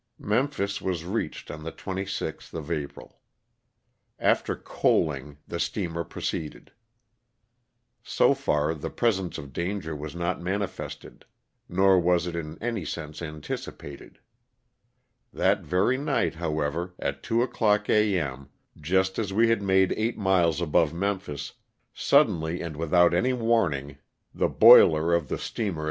Mem phis was reached on the 26th of April. After coaling the steamer proceeded. So far the presence of danger was not manifested, nor was it in any sense anticipated. That very night, however, at two o'clock a. m., just as we had made eight miles above Memphis, suddenly and without any warning the boiler of the steamer 362 LOSS OF THE SULTANA.